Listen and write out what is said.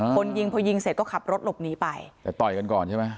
คนยิงพอยิงเสร็จก็ขับรถหลบหนีไปแต่ต่อยกันก่อนใช่ไหม